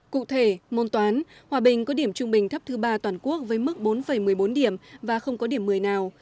cụ thể môn toán hòa bình có điểm trung bình thấp thứ ba toàn quốc với mức bốn một mươi bốn điểm và không có điểm một mươi nào